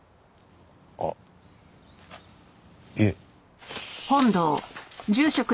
あっいえ。